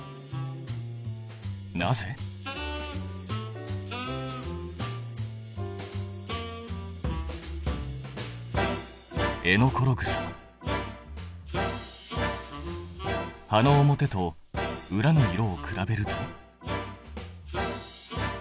なぜ？葉の表と裏の色を比べると。